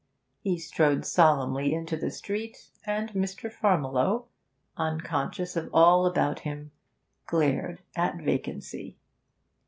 He strode solemnly into the street, and Mr. Farmiloe, unconscious of all about him, glared at vacancy.